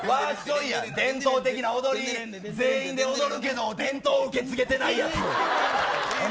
伝統的な踊りで全員で踊るけど伝統受けついでない。